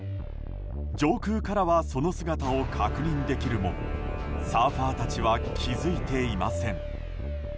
上空からはその姿を確認できるもサーファーたちは気づいていません。